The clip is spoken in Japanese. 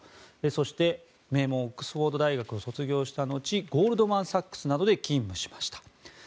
そして、名門オックスフォード大学を卒業したのちゴールドマン・サックスなどで勤務しました。